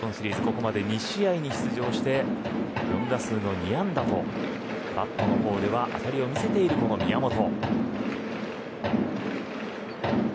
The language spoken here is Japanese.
ここまで２試合に出場して４打数の２安打とバットの方では当たりを見せている宮本。